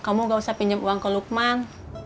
kamu gak usah pinjam uang ke lukman